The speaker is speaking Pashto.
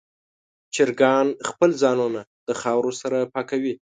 چرګان خپل ځانونه د خاورو سره پاکوي.